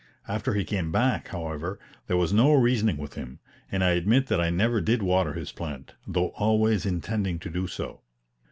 After he came back, however, there was no reasoning with him, and I admit that I never did water his plant, though always intending to do so.